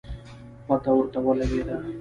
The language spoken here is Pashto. پته ورته ولګېده